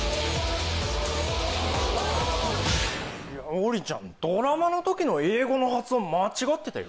オウリンちゃんドラマの時の英語の発音間違ってたよ。